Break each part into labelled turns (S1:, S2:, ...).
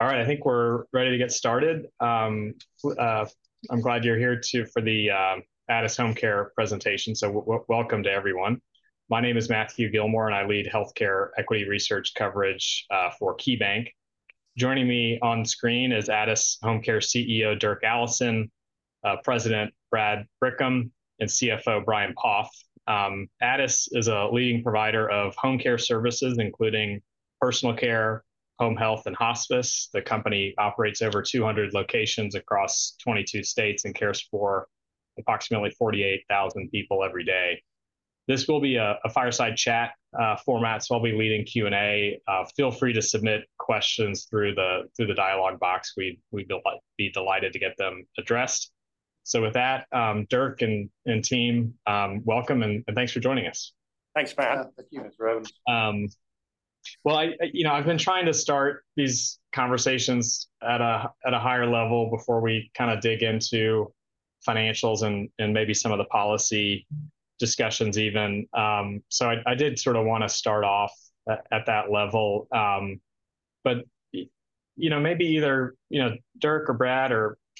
S1: All right, I think we're ready to get started. I'm glad you're here for the Addus HomeCare presentation. Welcome to everyone. My name is Matt Gilmore, and I lead healthcare equity research coverage for KeyBanc. Joining me on screen is Addus HomeCare CEO Dirk Allison, President Brad Bickham, and CFO Brian Poff. Addus is a leading provider of home care services, including personal care, home health, and hospice. The company operates over 200 locations across 22 states and cares for approximately 48,000 people every day. This will be a fireside chat format, so I'll be leading Q&A. Feel free to submit questions through the dialogue box. We'd be delighted to get them addressed. With that, Dirk and team, welcome, and thanks for joining us.
S2: Thanks, Brad.
S3: Thank you, Mr. Gilmore.
S1: You know I've been trying to start these conversations at a higher level before we kind of dig into financials and maybe some of the policy discussions even. I did sort of want to start off at that level. Maybe either Dirk or Brad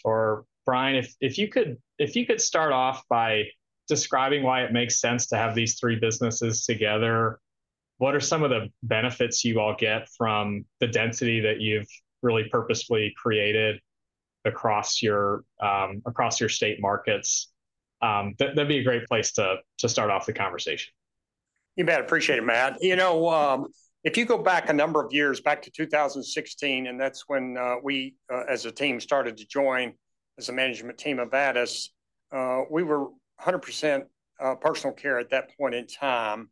S1: or Brian, if you could start off by describing why it makes sense to have these three businesses together, what are some of the benefits you all get from the density that you've really purposefully created across your state markets? That'd be a great place to start off the conversation.
S2: You bet. Appreciate it, Matt. You know, if you go back a number of years, back to 2016, and that's when we, as a team, started to join as a management team of Addus, we were 100% personal care at that point in time.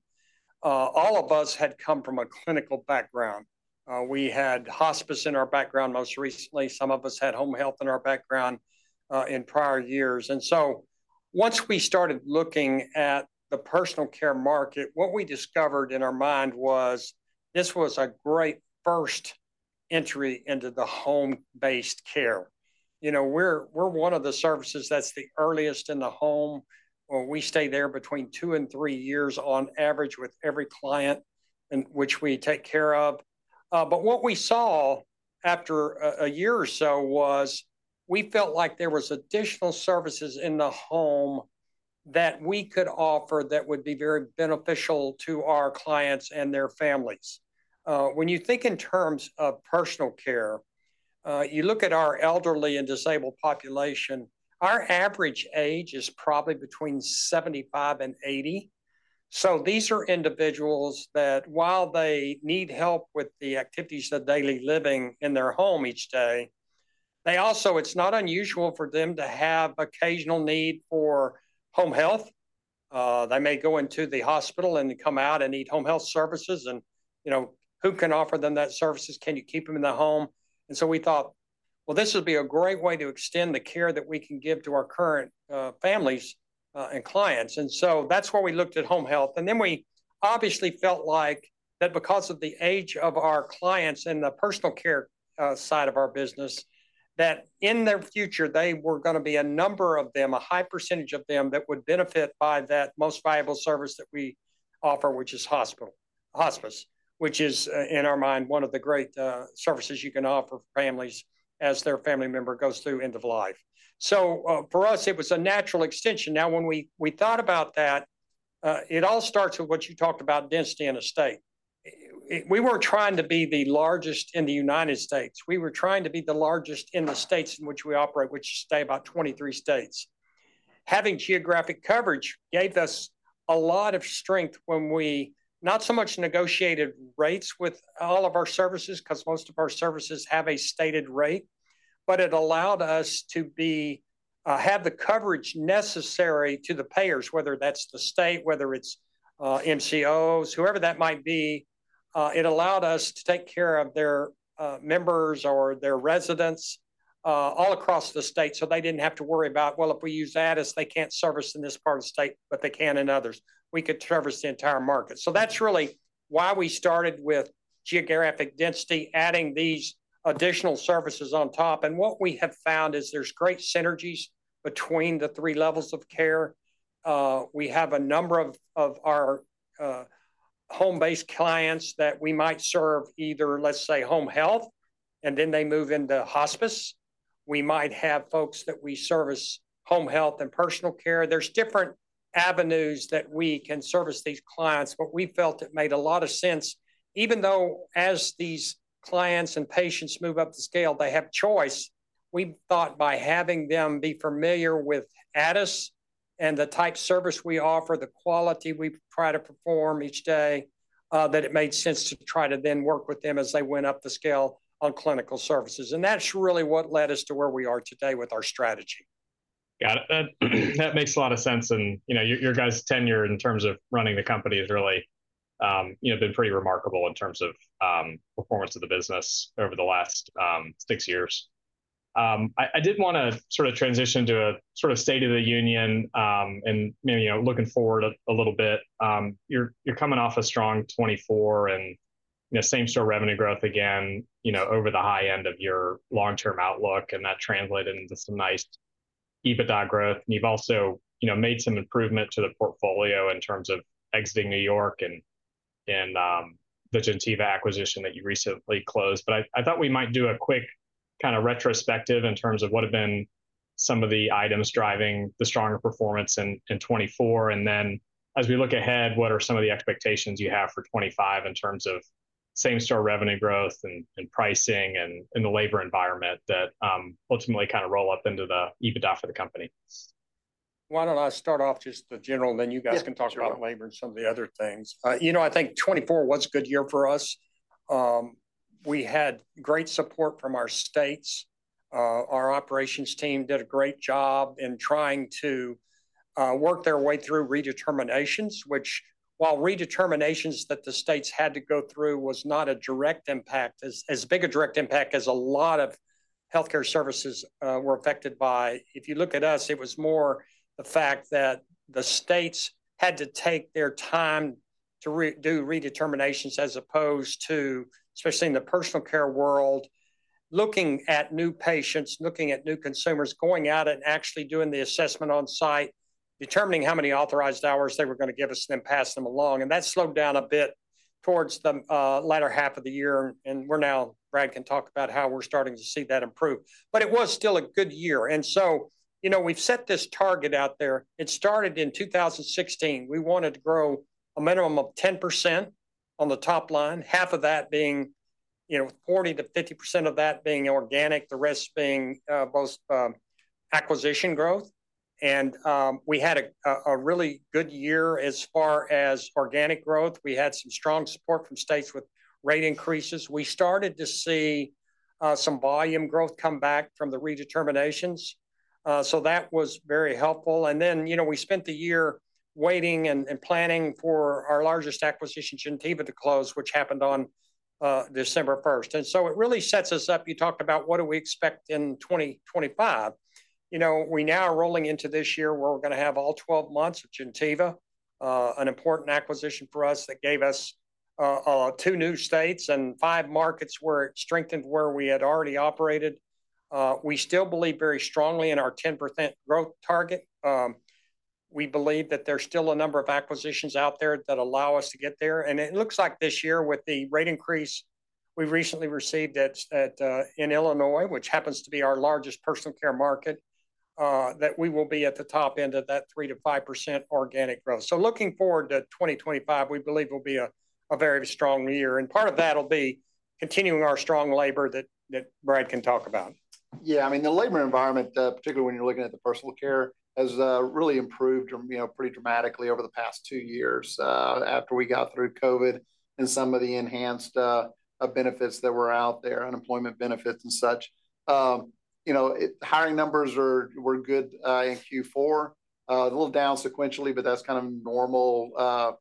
S2: All of us had come from a clinical background. We had hospice in our background most recently. Some of us had home health in our background in prior years. You know, once we started looking at the personal care market, what we discovered in our mind was this was a great first entry into the home-based care. You know, we're one of the services that's the earliest in the home. We stay there between two and three years on average with every client, which we take care of. What we saw after a year or so was we felt like there were additional services in the home that we could offer that would be very beneficial to our clients and their families. When you think in terms of personal care, you look at our elderly and disabled population, our average age is probably between 75 and 80. These are individuals that, while they need help with the activities of daily living in their home each day, it's not unusual for them to have occasional need for home health. They may go into the hospital and come out and need home health services. Who can offer them that services? Can you keep them in the home? We thought this would be a great way to extend the care that we can give to our current families and clients. That is why we looked at home health. We obviously felt like that because of the age of our clients and the personal care side of our business, that in their future, there were going to be a number of them, a high percentage of them that would benefit by that most valuable service that we offer, which is hospice, which is, in our mind, one of the great services you can offer families as their family member goes through end of life. For us, it was a natural extension. Now, when we thought about that, it all starts with what you talked about, density in the state. We were not trying to be the largest in the United States. We were trying to be the largest in the states in which we operate, which stay about 23 states. Having geographic coverage gave us a lot of strength when we not so much negotiated rates with all of our services because most of our services have a stated rate, but it allowed us to have the coverage necessary to the payers, whether that's the state, whether it's MCOs, whoever that might be. It allowed us to take care of their members or their residents all across the state so they did not have to worry about, if we use Addus, they cannot service in this part of the state, but they can in others. We could service the entire market. That is really why we started with geographic density, adding these additional services on top. What we have found is there are great synergies between the three levels of care. We have a number of our home-based clients that we might serve either, let's say, home health, and then they move into hospice. We might have folks that we service home health and personal care. There are different avenues that we can service these clients, but we felt it made a lot of sense. Even though as these clients and patients move up the scale, they have choice, we thought by having them be familiar with Addus and the type of service we offer, the quality we try to perform each day, that it made sense to try to then work with them as they went up the scale on clinical services. That is really what led us to where we are today with our strategy.
S1: Got it. That makes a lot of sense. Your guys' tenure in terms of running the company has really been pretty remarkable in terms of performance of the business over the last six years. I did want to sort of transition to a sort of state of the union and maybe looking forward a little bit. You're coming off a strong 2024 and same-store revenue growth again over the high end of your long-term outlook. That translated into some nice EBITDA growth. You've also made some improvement to the portfolio in terms of exiting New York and the Gentiva acquisition that you recently closed. I thought we might do a quick kind of retrospective in terms of what have been some of the items driving the stronger performance in 2024. As we look ahead, what are some of the expectations you have for 25 in terms of same-store revenue growth and pricing and the labor environment that ultimately kind of roll up into the EBITDA for the company?
S2: Why don't I start off just the general, and then you guys can talk about labor and some of the other things. You know, I think 24 was a good year for us. We had great support from our states. Our operations team did a great job in trying to work their way through redeterminations, which while redeterminations that the states had to go through was not a direct impact, as big a direct impact as a lot of healthcare services were affected by. If you look at us, it was more the fact that the states had to take their time to do redeterminations as opposed to, especially in the personal care world, looking at new patients, looking at new consumers, going out and actually doing the assessment on site, determining how many authorized hours they were going to give us and then pass them along. That slowed down a bit towards the latter half of the year. We are now, Brad can talk about how we are starting to see that improve. It was still a good year. We have set this target out there. It started in 2016. We wanted to grow a minimum of 10% on the top line, half of that being 40%-50% of that being organic, the rest being both acquisition growth. We had a really good year as far as organic growth. We had some strong support from states with rate increases. We started to see some volume growth come back from the redeterminations. That was very helpful. We spent the year waiting and planning for our largest acquisition, Gentiva, to close, which happened on December 1st. It really sets us up. You talked about what do we expect in 2025. We now are rolling into this year where we're going to have all 12 months of Gentiva, an important acquisition for us that gave us two new states and five markets where it strengthened where we had already operated. We still believe very strongly in our 10% growth target. We believe that there's still a number of acquisitions out there that allow us to get there. It looks like this year with the rate increase we recently received in Illinois, which happens to be our largest personal care market, that we will be at the top end of that 3%-5% organic growth. Looking forward to 2025, we believe will be a very strong year. Part of that will be continuing our strong labor that Brad can talk about.
S3: Yeah, I mean, the labor environment, particularly when you're looking at the personal care, has really improved pretty dramatically over the past two years after we got through COVID and some of the enhanced benefits that were out there, unemployment benefits and such. Hiring numbers were good in Q4, a little down sequentially, but that's kind of normal,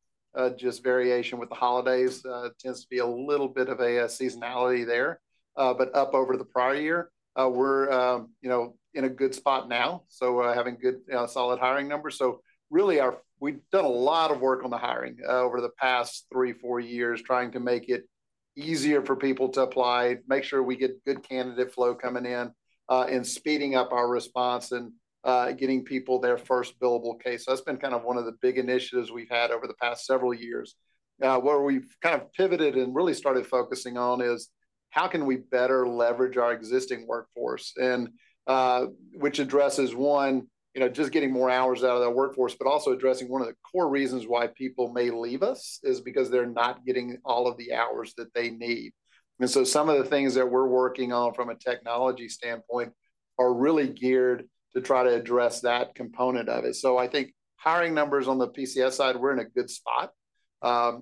S3: just variation with the holidays. It tends to be a little bit of seasonality there. Up over the prior year, we're in a good spot now, so having good solid hiring numbers. Really, we've done a lot of work on the hiring over the past three, four years, trying to make it easier for people to apply, make sure we get good candidate flow coming in, and speeding up our response and getting people their first billable case. That's been kind of one of the big initiatives we've had over the past several years. Where we've kind of pivoted and really started focusing on is how can we better leverage our existing workforce, which addresses, one, just getting more hours out of the workforce, but also addressing one of the core reasons why people may leave us is because they're not getting all of the hours that they need. Some of the things that we're working on from a technology standpoint are really geared to try to address that component of it. I think hiring numbers on the PCS side, we're in a good spot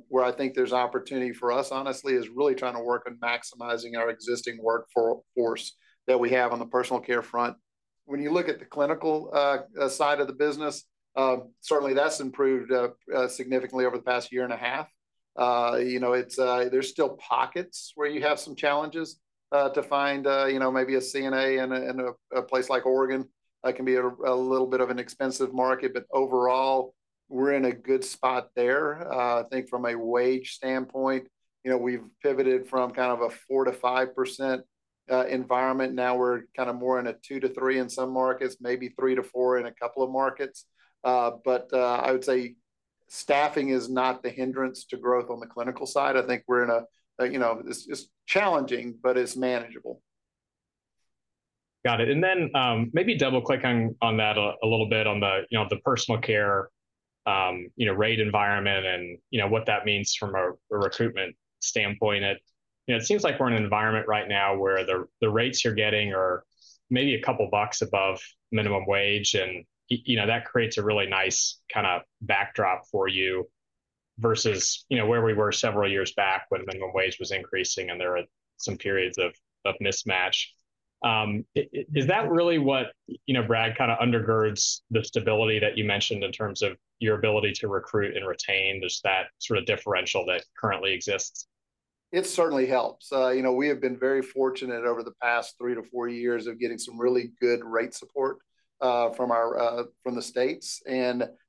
S3: where I think there's opportunity for us, honestly, is really trying to work on maximizing our existing workforce that we have on the personal care front. When you look at the clinical side of the business, certainly that's improved significantly over the past year and a half. There's still pockets where you have some challenges to find. Maybe a CNA in a place like Oregon can be a little bit of an expensive market. Overall, we're in a good spot there. I think from a wage standpoint, we've pivoted from kind of a 4%-5% environment. Now we're kind of more in a 2%-3% in some markets, maybe 3%-4% in a couple of markets. I would say staffing is not the hindrance to growth on the clinical side. I think we're in a, it's challenging, but it's manageable.
S1: Got it. Maybe double-click on that a little bit on the personal care rate environment and what that means from a recruitment standpoint. It seems like we're in an environment right now where the rates you're getting are maybe a couple of bucks above minimum wage. That creates a really nice kind of backdrop for you versus where we were several years back when minimum wage was increasing and there were some periods of mismatch. Is that really what Brad kind of undergirds the stability that you mentioned in terms of your ability to recruit and retain? There's that sort of differential that currently exists.
S3: It certainly helps. We have been very fortunate over the past three to four years of getting some really good rate support from the states.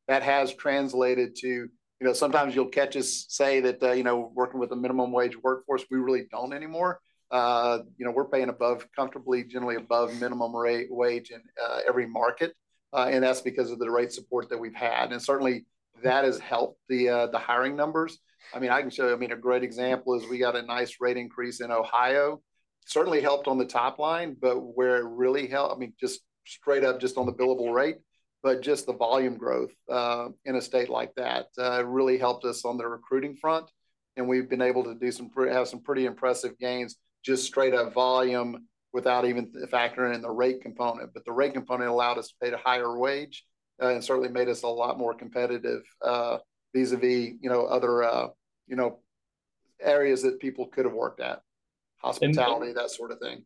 S3: That has translated to sometimes you'll catch us say that working with a minimum wage workforce, we really don't anymore. We're paying above, comfortably, generally above minimum wage in every market. That is because of the rate support that we've had. Certainly, that has helped the hiring numbers. I mean, I can show you a great example is we got a nice rate increase in Ohio. Certainly helped on the top line, but where it really helped, I mean, just straight up, just on the billable rate, but just the volume growth in a state like that really helped us on the recruiting front. We have been able to have some pretty impressive gains just straight up volume without even factoring in the rate component. The rate component allowed us to pay a higher wage and certainly made us a lot more competitive vis-à-vis other areas that people could have worked at, hospitality, that sort of thing.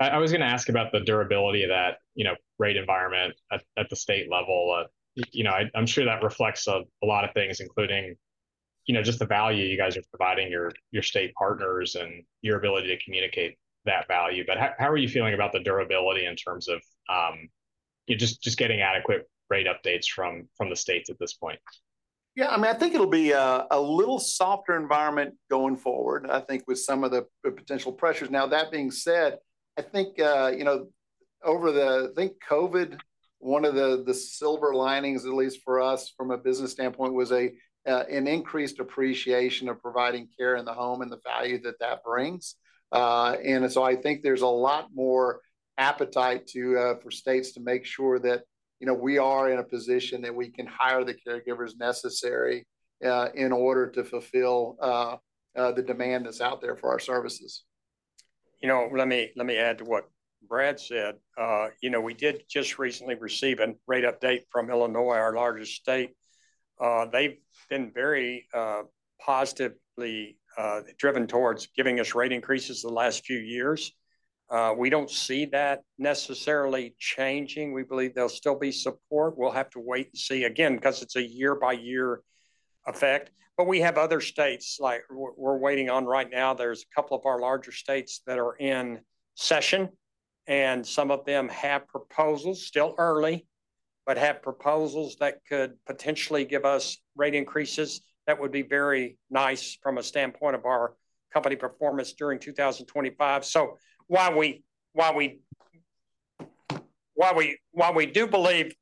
S1: I was going to ask about the durability of that rate environment at the state level. I'm sure that reflects a lot of things, including just the value you guys are providing your state partners and your ability to communicate that value. How are you feeling about the durability in terms of just getting adequate rate updates from the states at this point?
S3: Yeah, I mean, I think it'll be a little softer environment going forward, I think, with some of the potential pressures. Now, that being said, I think over the, I think COVID, one of the silver linings, at least for us from a business standpoint, was an increased appreciation of providing care in the home and the value that that brings. I think there's a lot more appetite for states to make sure that we are in a position that we can hire the caregivers necessary in order to fulfill the demand that's out there for our services.
S2: You know. Let me add to what Brad said. We did just recently receive a rate update from Illinois, our largest state. They've been very positively driven towards giving us rate increases the last few years. We don't see that necessarily changing. We believe there'll still be support. We'll have to wait and see again because it's a year-by-year effect. We have other states like we're waiting on right now. There's a couple of our larger states that are in session, and some of them have proposals, still early, but have proposals that could potentially give us rate increases. That would be very nice from a standpoint of our company performance during 2025. While we do believe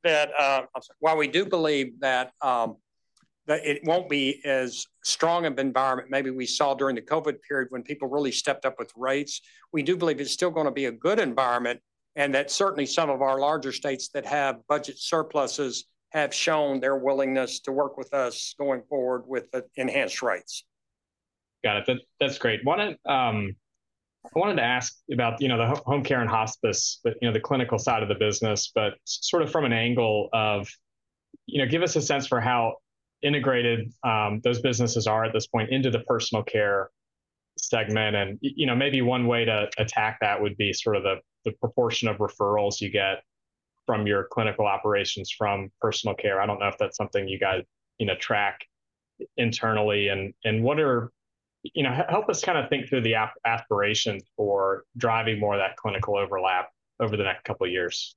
S2: that, it won't be as strong of an environment maybe we saw during the COVID period when people really stepped up with rates, we do believe it's still going to be a good environment. That certainly some of our larger states that have budget surpluses have shown their willingness to work with us going forward with enhanced rates.
S1: Got it. That's great. I wanted to ask about the home care and hospice, the clinical side of the business, but sort of from an angle of give us a sense for how integrated those businesses are at this point into the personal care segment. Maybe one way to attack that would be sort of the proportion of referrals you get from your clinical operations from personal care. I don't know if that's something you guys track internally. Help us kind of think through the aspirations for driving more of that clinical overlap over the next couple of years.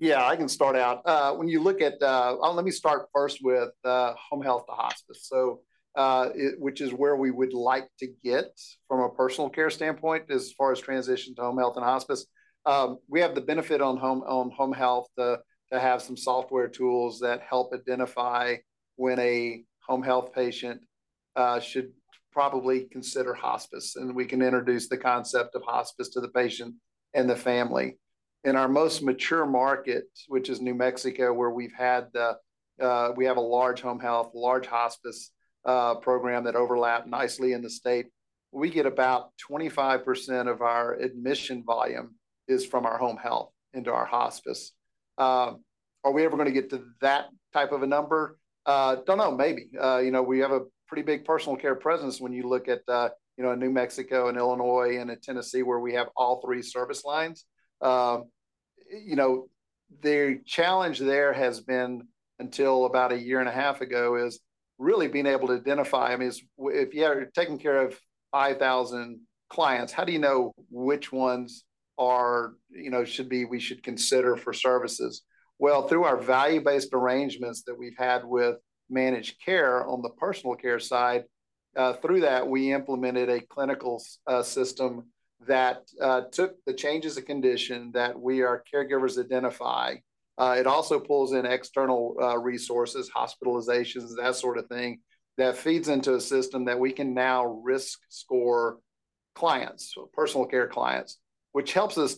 S3: Yeah, I can start out. When you look at, let me start first with home health to hospice, which is where we would like to get from a personal care standpoint as far as transition to home health and hospice. We have the benefit on home health to have some software tools that help identify when a home health patient should probably consider hospice. And we can introduce the concept of hospice to the patient and the family. In our most mature market, which is New Mexico, where we have a large home health, large hospice program that overlap nicely in the state, we get about 25% of our admission volume is from our home health into our hospice. Are we ever going to get to that type of a number? I do not know, maybe. We have a pretty big personal care presence when you look at New Mexico and Illinois and Tennessee, where we have all three service lines. The challenge there has been until about a year and a half ago is really being able to identify. I mean, if you're taking care of 5,000 clients, how do you know which ones should we consider for services? Through our value-based arrangements that we've had with managed care on the personal care side, through that, we implemented a clinical system that took the changes of condition that our caregivers identify. It also pulls in external resources, hospitalizations, that sort of thing that feeds into a system that we can now risk score clients, personal care clients, which helps us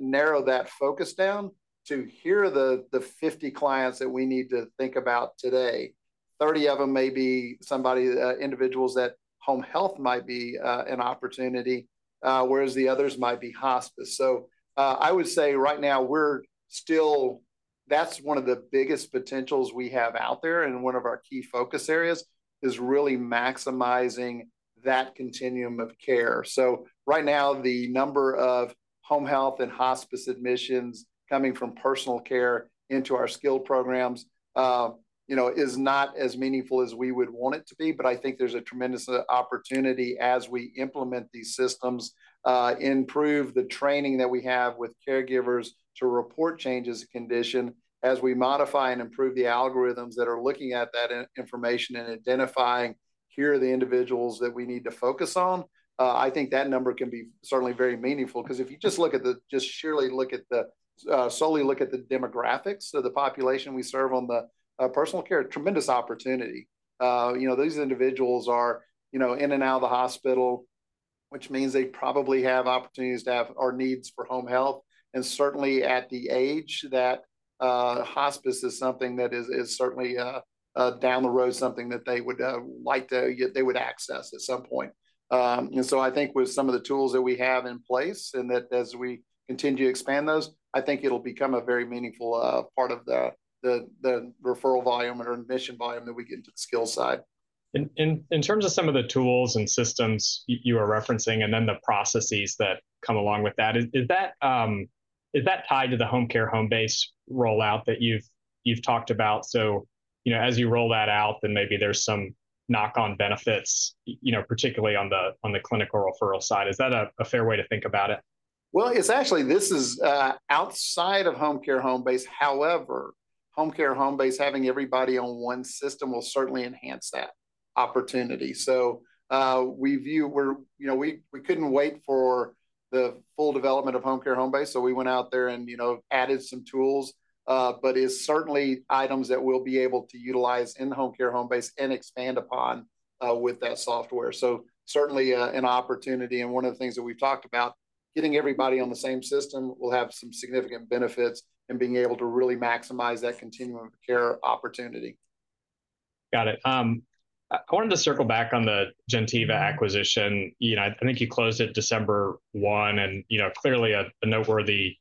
S3: narrow that focus down to here are the 50 clients that we need to think about today. Thirty of them may be individuals that home health might be an opportunity, whereas the others might be hospice. I would say right now, that's one of the biggest potentials we have out there. One of our key focus areas is really maximizing that continuum of care. Right now, the number of home health and hospice admissions coming from personal care into our skilled programs is not as meaningful as we would want it to be. I think there's a tremendous opportunity as we implement these systems, improve the training that we have with caregivers to report changes in condition, as we modify and improve the algorithms that are looking at that information and identifying here are the individuals that we need to focus on. I think that number can be certainly very meaningful because if you just look at the, just solely look at the demographics of the population we serve on the personal care, tremendous opportunity. These individuals are in and out of the hospital, which means they probably have opportunities to have or needs for home health. Certainly, at the age, that hospice is something that is certainly down the road, something that they would like to, they would access at some point. I think with some of the tools that we have in place and that as we continue to expand those, I think it'll become a very meaningful part of the referral volume or admission volume that we get into the skilled side.
S1: In terms of some of the tools and systems you are referencing and then the processes that come along with that, is that tied to the Homecare Homebase rollout that you've talked about? As you roll that out, then maybe there's some knock-on benefits, particularly on the clinical referral side. Is that a fair way to think about it?
S3: It is actually, this is outside of Homecare Homebase. However, Homecare Homebase, having everybody on one system will certainly enhance that opportunity. We could not wait for the full development of Homecare Homebase. We went out there and added some tools, but it is certainly items that we will be able to utilize in Homecare Homebase and expand upon with that software. It is certainly an opportunity. One of the things that we have talked about, getting everybody on the same system will have some significant benefits in being able to really maximize that continuum of care opportunity.
S1: Got it. I wanted to circle back on the Gentiva acquisition. I think you closed it December 1. Clearly, a noteworthy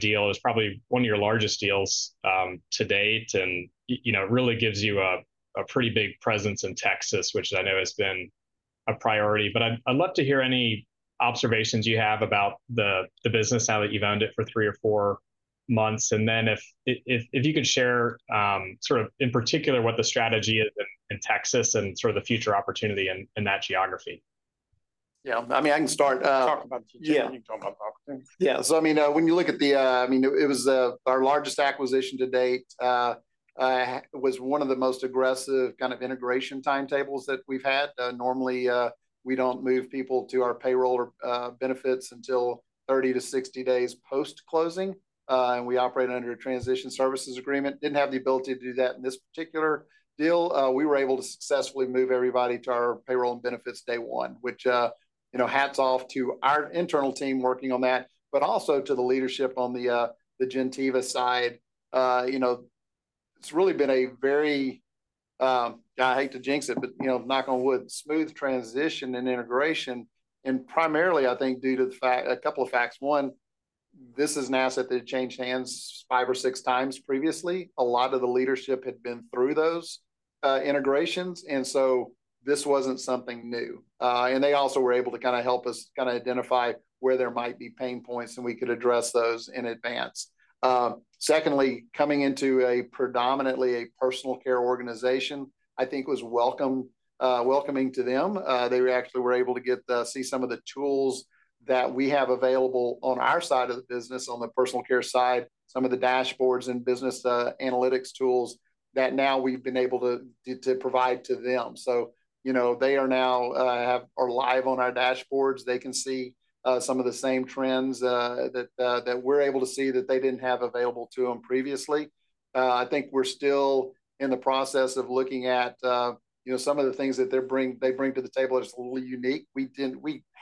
S1: deal is probably one of your largest deals to date. It really gives you a pretty big presence in Texas, which I know has been a priority. I'd love to hear any observations you have about the business, how you've owned it for three or four months. If you could share sort of in particular what the strategy is in Texas and sort of the future opportunity in that geography.
S3: Yeah. I mean, I can start.
S2: Talk about the future.
S3: Yeah.
S2: When you talk about the opportunity.
S3: Yeah. I mean, when you look at the, I mean, it was our largest acquisition to date. It was one of the most aggressive kind of integration timetables that we've had. Normally, we don't move people to our payroll or benefits until 30-60 days post-closing. We operate under a transition services agreement. Didn't have the ability to do that in this particular deal. We were able to successfully move everybody to our payroll and benefits day one, which hats off to our internal team working on that, but also to the leadership on the Gentiva side. It's really been a very, I hate to jinx it, but knock on wood, smooth transition and integration. Primarily, I think due to a couple of facts. One, this is an asset that changed hands five or six times previously. A lot of the leadership had been through those integrations. This was not something new. They also were able to kind of help us identify where there might be pain points and we could address those in advance. Secondly, coming into a predominantly a personal care organization, I think was welcoming to them. They actually were able to see some of the tools that we have available on our side of the business, on the personal care side, some of the dashboards and business analytics tools that now we've been able to provide to them. They are now live on our dashboards. They can see some of the same trends that we're able to see that they did not have available to them previously. I think we're still in the process of looking at some of the things that they bring to the table that's a little unique. We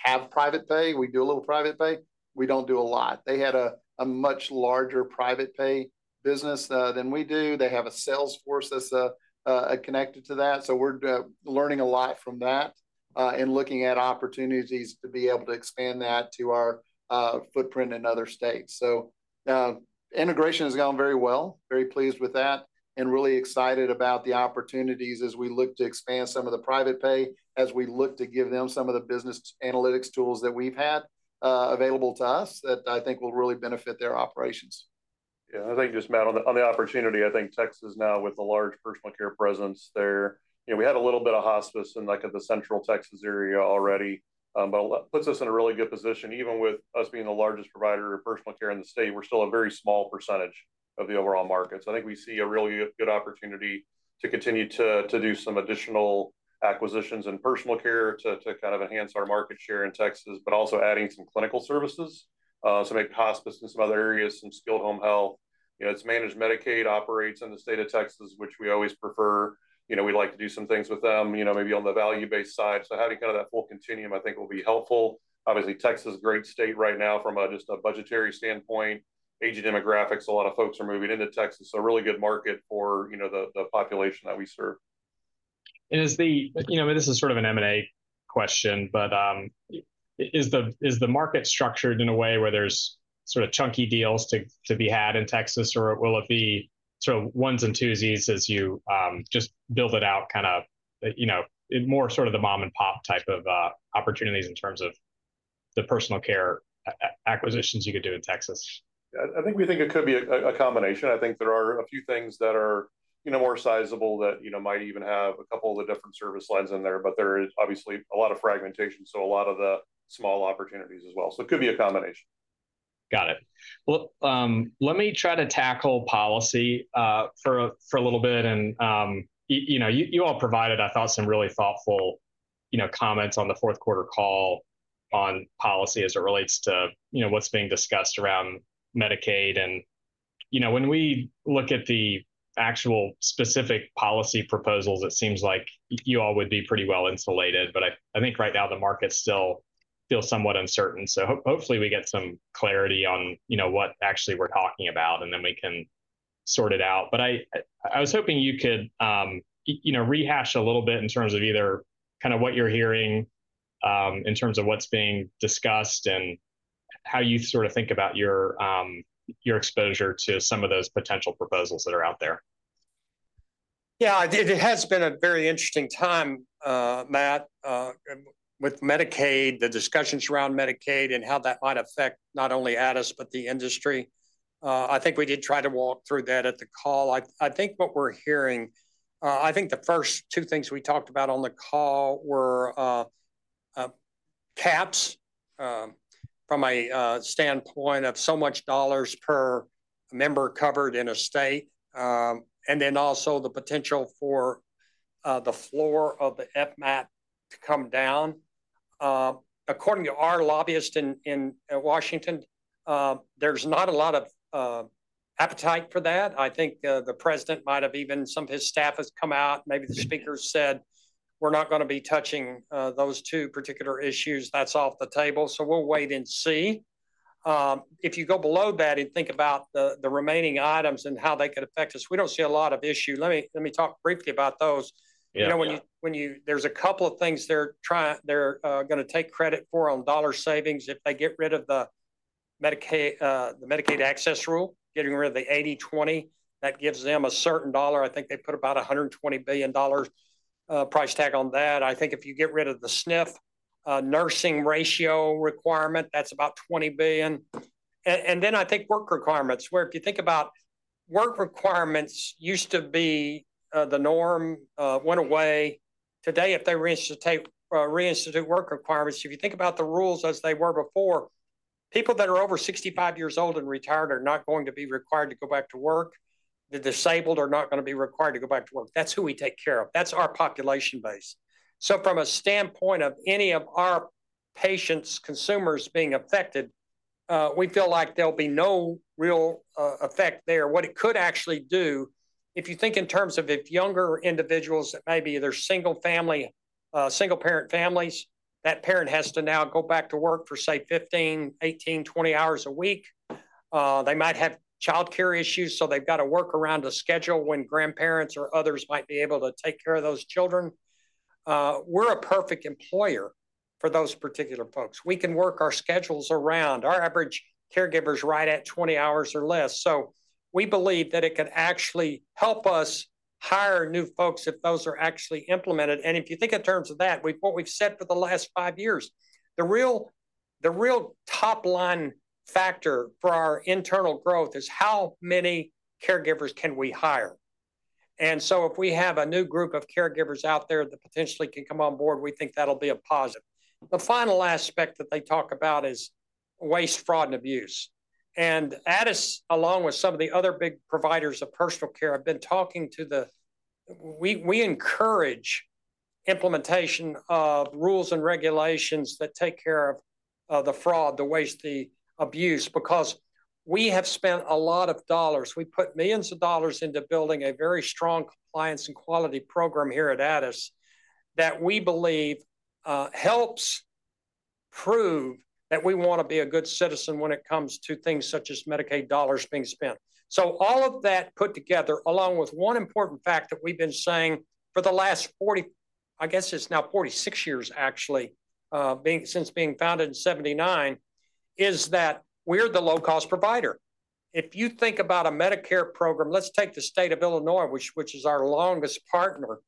S3: have private pay. We do a little private pay. We don't do a lot. They had a much larger private pay business than we do. They have a sales force that's connected to that. We are learning a lot from that and looking at opportunities to be able to expand that to our footprint in other states. Integration has gone very well. Very pleased with that and really excited about the opportunities as we look to expand some of the private pay, as we look to give them some of the business analytics tools that we've had available to us that I think will really benefit their operations.
S2: Yeah. I think just on the opportunity, I think Texas now with the large personal care presence there, we had a little bit of hospice in the central Texas area already, but puts us in a really good position. Even with us being the largest provider of personal care in the state, we're still a very small percentage of the overall market. I think we see a really good opportunity to continue to do some additional acquisitions in personal care to kind of enhance our market share in Texas, but also adding some clinical services, some hospice in some other areas, some skilled home health. Managed Medicaid operates in the state of Texas, which we always prefer. We'd like to do some things with them, maybe on the value-based side. Having kind of that full continuum, I think will be helpful. Obviously, Texas is a great state right now from just a budgetary standpoint, aging demographics, a lot of folks are moving into Texas. Really good market for the population that we serve.
S1: Is the market structured in a way where there's sort of chunky deals to be had in Texas, or will it be sort of ones and twosies as you just build it out kind of more sort of the mom-and-pop type of opportunities in terms of the personal care acquisitions you could do in Texas?
S2: I think we think it could be a combination. I think there are a few things that are more sizable that might even have a couple of the different service lines in there, but there is obviously a lot of fragmentation, so a lot of the small opportunities as well. It could be a combination.
S1: Got it. Let me try to tackle policy for a little bit. You all provided, I thought, some really thoughtful comments on the fourth quarter call on policy as it relates to what's being discussed around Medicaid. When we look at the actual specific policy proposals, it seems like you all would be pretty well insulated. I think right now the market still feels somewhat uncertain. Hopefully we get some clarity on what actually we're talking about, and then we can sort it out. I was hoping you could rehash a little bit in terms of either kind of what you're hearing in terms of what's being discussed and how you sort of think about your exposure to some of those potential proposals that are out there.
S3: Yeah. It has been a very interesting time, Matt, with Medicaid, the discussions around Medicaid and how that might affect not only Addus, but the industry. I think we did try to walk through that at the call. I think what we're hearing, I think the first two things we talked about on the call were caps from a standpoint of so much dollars per member covered in a state, and then also the potential for the floor of the FMAP to come down. According to our lobbyist in Washington, there's not a lot of appetite for that. I think the president might have, even some of his staff has come out. Maybe the speaker said, "We're not going to be touching those two particular issues. That's off the table." We will wait and see. If you go below that and think about the remaining items and how they could affect us, we don't see a lot of issue. Let me talk briefly about those. There's a couple of things they're going to take credit for on dollar savings if they get rid of the Medicaid Access Rule, getting rid of the 80/20. That gives them a certain dollar. I think they put about $120 billion price tag on that. I think if you get rid of the SNF nursing ratio requirement, that's about $20 billion. I think work requirements, where if you think about work requirements used to be the norm, went away. Today, if they reinstitute work requirements, if you think about the rules as they were before, people that are over 65 years old and retired are not going to be required to go back to work. The disabled are not going to be required to go back to work. That's who we take care of. That's our population base. From a standpoint of any of our patients, consumers being affected, we feel like there'll be no real effect there. What it could actually do, if you think in terms of if younger individuals that maybe they're single-parent families, that parent has to now go back to work for, say, 15, 18, 20 hours a week. They might have childcare issues, so they've got to work around a schedule when grandparents or others might be able to take care of those children. We're a perfect employer for those particular folks. We can work our schedules around. Our average caregiver is right at 20 hours or less. We believe that it could actually help us hire new folks if those are actually implemented. If you think in terms of that, what we've said for the last five years, the real top-line factor for our internal growth is how many caregivers can we hire? If we have a new group of caregivers out there that potentially can come on board, we think that'll be a positive. The final aspect that they talk about is waste, fraud, and abuse. Addus, along with some of the other big providers of personal care, have been talking to the we encourage implementation of rules and regulations that take care of the fraud, the waste, the abuse, because we have spent a lot of dollars. We put millions of dollars into building a very strong compliance and quality program here at Addus that we believe helps prove that we want to be a good citizen when it comes to things such as Medicaid dollars being spent. All of that put together, along with one important fact that we've been saying for the last 40, I guess it's now 46 years actually since being founded in 1979, is that we're the low-cost provider. If you think about a Medicare program, let's take the state of Illinois, which is our longest partner.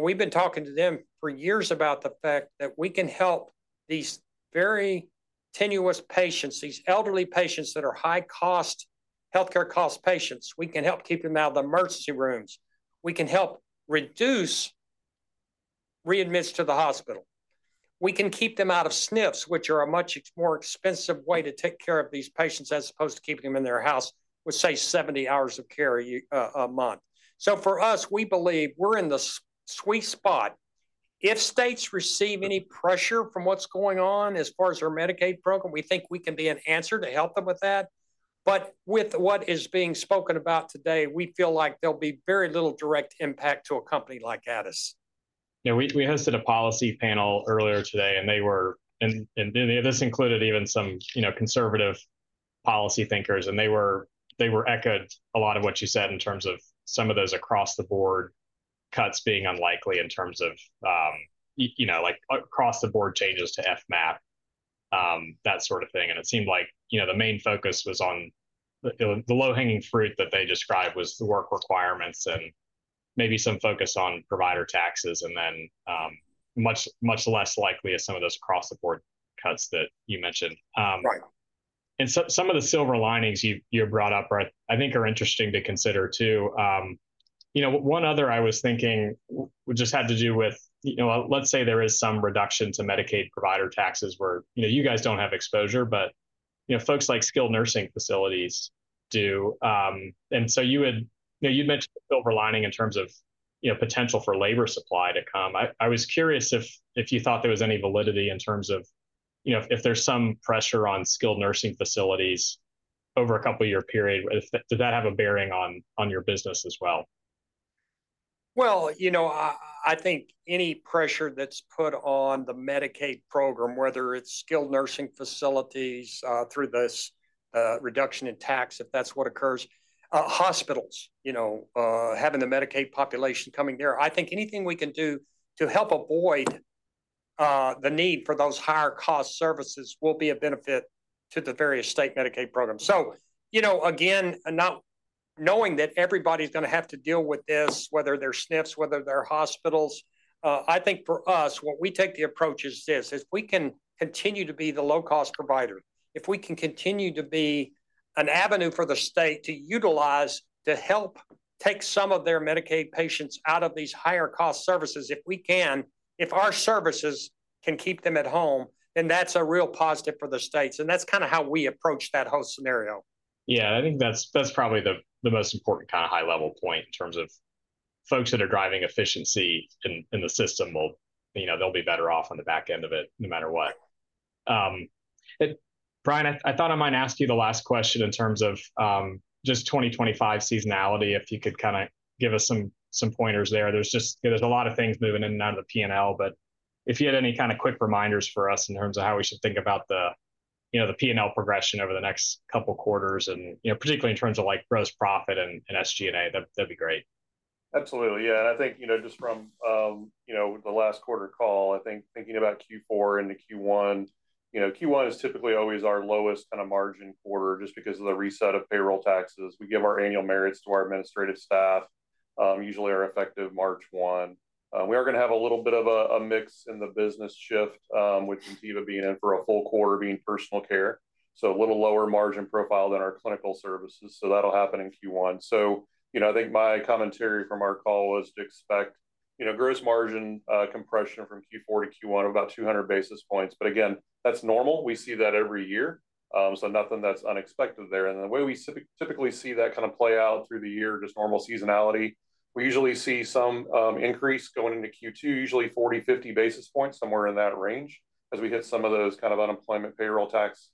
S3: We've been talking to them for years about the fact that we can help these very tenuous patients, these elderly patients that are high-cost healthcare cost patients. We can help keep them out of the emergency rooms. We can help reduce readmits to the hospital. We can keep them out of SNFs, which are a much more expensive way to take care of these patients as opposed to keeping them in their house with, say, 70 hours of care a month. For us, we believe we're in the sweet spot. If states receive any pressure from what's going on as far as our Medicaid program, we think we can be an answer to help them with that. With what is being spoken about today, we feel like there'll be very little direct impact to a company like Addus.
S1: Yeah. We hosted a policy panel earlier today, and this included even some conservative policy thinkers. They echoed a lot of what you said in terms of some of those across-the-board cuts being unlikely in terms of across-the-board changes to FMAP, that sort of thing. It seemed like the main focus was on the low-hanging fruit that they described was the work requirements and maybe some focus on provider taxes, and then much less likely are some of those across-the-board cuts that you mentioned. Some of the silver linings you brought up, I think, are interesting to consider too. One other I was thinking just had to do with, let's say there is some reduction to Medicaid provider taxes where you guys do not have exposure, but folks like skilled nursing facilities do. You mentioned the silver lining in terms of potential for labor supply to come. I was curious if you thought there was any validity in terms of if there's some pressure on skilled nursing facilities over a couple-year period, does that have a bearing on your business as well?
S3: I think any pressure that's put on the Medicaid program, whether it's skilled nursing facilities through this reduction in tax, if that's what occurs, hospitals, having the Medicaid population coming there, I think anything we can do to help avoid the need for those higher-cost services will be a benefit to the various state Medicaid programs. Again, knowing that everybody's going to have to deal with this, whether they're SNFs, whether they're hospitals, I think for us, what we take the approach is this. If we can continue to be the low-cost provider, if we can continue to be an avenue for the state to utilize to help take some of their Medicaid patients out of these higher-cost services, if we can, if our services can keep them at home, then that's a real positive for the states. That's kind of how we approach that whole scenario.
S1: Yeah. I think that's probably the most important kind of high-level point in terms of folks that are driving efficiency in the system, they'll be better off on the back end of it no matter what. Brian, I thought I might ask you the last question in terms of just 2025 seasonality, if you could kind of give us some pointers there. There's a lot of things moving in and out of the P&L, but if you had any kind of quick reminders for us in terms of how we should think about the P&L progression over the next couple of quarters, and particularly in terms of gross profit and SG&A, that'd be great.
S2: Absolutely. Yeah. I think just from the last quarter call, I think thinking about Q4 into Q1, Q1 is typically always our lowest kind of margin quarter just because of the reset of payroll taxes. We give our annual merits to our administrative staff, usually effective March 1. We are going to have a little bit of a mix in the business shift, with Gentiva being in for a full quarter being personal care. A little lower margin profile than our clinical services. That will happen in Q1. I think my commentary from our call was to expect gross margin compression from Q4 to Q1 of about 200 basis points. Again, that is normal. We see that every year. Nothing that is unexpected there. The way we typically see that kind of play out through the year, just normal seasonality, we usually see some increase going into Q2, usually 40-50 basis points, somewhere in that range as we hit some of those kind of unemployment payroll tax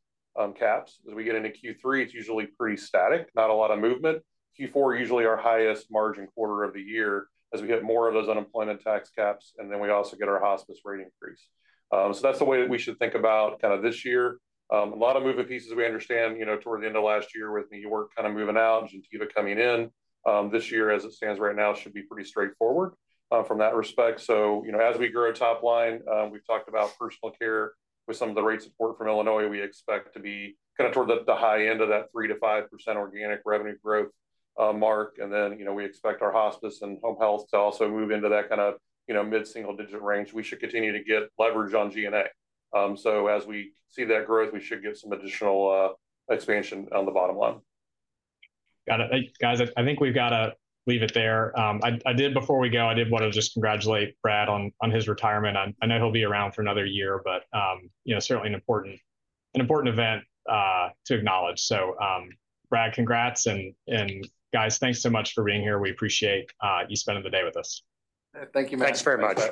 S2: caps. As we get into Q3, it is usually pretty static, not a lot of movement. Q4 is usually our highest margin quarter of the year as we hit more of those unemployment tax caps, and then we also get our hospice rate increase. That is the way that we should think about kind of this year. A lot of moving pieces we understand toward the end of last year with New York kind of moving out, Gentiva coming in. This year, as it stands right now, should be pretty straightforward from that respect. As we grow top line, we've talked about personal care with some of the rate support from Illinois. We expect to be kind of toward the high end of that 3-5% organic revenue growth mark. We expect our hospice and home health to also move into that kind of mid-single digit range. We should continue to get leverage on G&A. As we see that growth, we should get some additional expansion on the bottom line.
S1: Got it. Guys, I think we've got to leave it there. Before we go, I did want to just congratulate Brad on his retirement. I know he'll be around for another year, but certainly an important event to acknowledge. Brad, congrats. Guys, thanks so much for being here. We appreciate you spending the day with us.
S3: Thank you, Matt.
S2: Thanks very much.